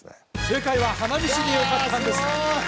正解は「花火師」でよかったんです檀さん